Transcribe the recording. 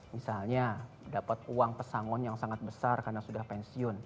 misalnya dapat uang pesangon yang sangat besar karena sudah pensiun